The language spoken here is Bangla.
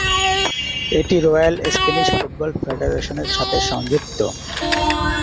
এটি রয়্যাল স্প্যানিশ ফুটবল ফেডারেশনের সাথে সংযুক্ত।